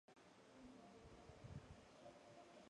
Leipzig, decidió estudiar doctorado en matemáticas.